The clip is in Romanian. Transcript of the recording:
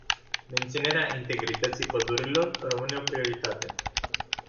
Menținerea integrității pădurilor rămâne o prioritate.